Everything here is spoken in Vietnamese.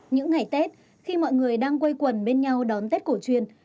những ngày tết khi mọi người đang quây quần bên nhau đón tết cổ truyền